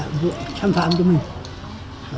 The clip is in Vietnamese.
làm phạm cho mình